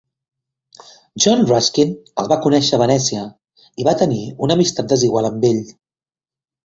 John Ruskin el va conèixer a Venècia i va tenir una amistat desigual amb ell.